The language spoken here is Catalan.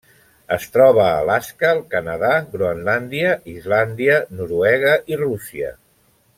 Es troba a Alaska, el Canadà, Groenlàndia, Islàndia, Noruega i Rússia.